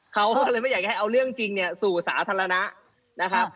เขาก็เลยไม่อยากจะให้เอาเรื่องจริงเนี่ยสู่สาธารณะนะครับ